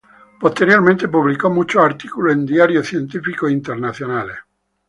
Posteriormente, publicó mucho artículos en diarios científicos internacionales.